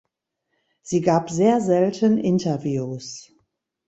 Sie gab sehr selten Interviews.